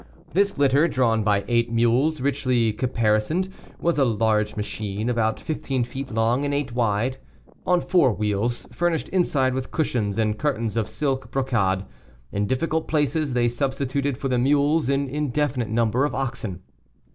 This litter, drawn by eight mules richly caparisoned, was a large machine, about fifteen feet long and eight wide, on four wheels, furnished inside with cushions and curtains of silk brocade. In difficult places they substituted for the mules an indefinite number of oxen.